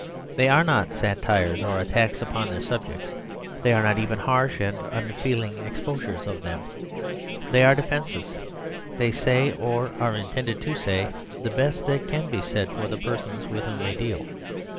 They are not satires or attacks upon their subjects, they are not even harsh and unfeeling exposures of them. They are defences; they say or are intended to say the best that can be said for the persons with whom they deal.